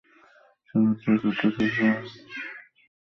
সাত বছরের যুদ্ধ শেষ হওয়ার পর ব্রিটিশরা সেন্ট জন দখল করে নেয়।